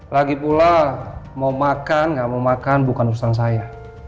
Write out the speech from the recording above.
lagipula mau makan gak mau makan bukan urusan saya